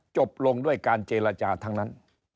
จบลงด้วยการเจรจาทั้งนั้น